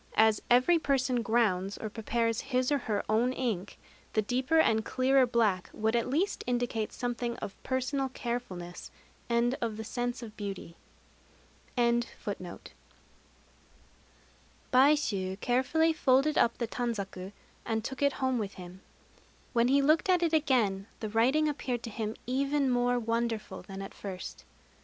As every person grounds or prepares his or her own ink, the deeper and clearer black would at least indicate something of personal carefulness and of the sense of beauty. Baishû carefully folded up the tanzaku, and took it home with him. When he looked at it again the writing appeared to him even more wonderful than at first.